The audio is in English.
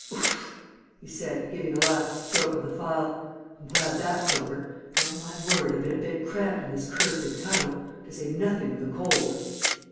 "Oof!" he said, giving a last stroke of the file. "I'm glad that's over, for, on my word, I've been a bit cramped in this cursed tunnel ... to say nothing of the cold...."